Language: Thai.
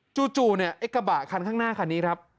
จู่เนี่ยไอ้กระบะคันข้างหน้าคันนี้ครับ